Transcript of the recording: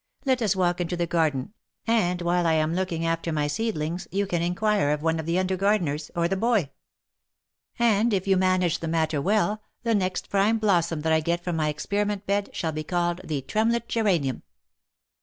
Let us walk into the garden, and while I am looking after my seed lings, you can inquire of one of the under gardeners, or the boy. And if you manage the matter well, the next prime blossom that I get from my experiment bed, shall be called the Tremlett geranium."